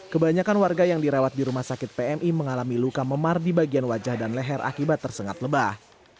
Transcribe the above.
kebanyakan warga yang dirawat di rumah sakit pmi mengalami luka memar di bagian wajah dan leher akibat tersengat lebah